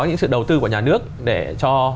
những sự đầu tư của nhà nước để cho